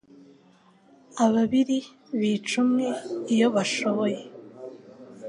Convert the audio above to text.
Ababiri bica umweiyo bashoboye